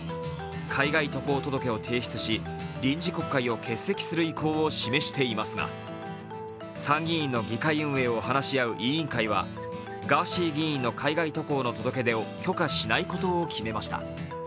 海外渡航届を提出し臨時国会を欠席する意向を示していますが参議院の議会運営を話し合う委員会はガーシー議員の海外渡航の届け出を許可しないことを決めました。